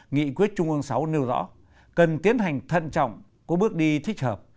nghị quyết trung ương sáu nêu rõ cần tiến hành thận trọng có bước đi thích hợp